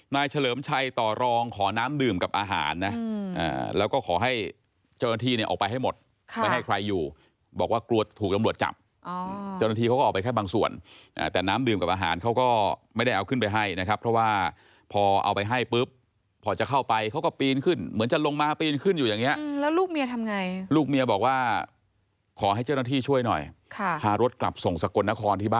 นายเฉลิมชัยต่อรองขอน้ำดื่มกับอาหารนะแล้วก็ขอให้เจ้าหน้าที่เนี่ยออกไปให้หมดไปให้ใครอยู่บอกว่ากลัวถูกอำรวจจับเจ้าหน้าที่เขาก็ออกไปแค่บางส่วนแต่น้ำดื่มกับอาหารเขาก็ไม่ได้เอาขึ้นไปให้นะครับเพราะว่าพอเอาไปให้ปุ๊บพอจะเข้าไปเขาก็ปีนขึ้นเหมือนจะลงมาปีนขึ้นอยู่อย่างเนี้ยแล้วลูกเมียทำไงลูกเมี